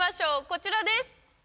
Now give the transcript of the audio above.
こちらです！